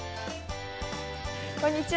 こんにちは。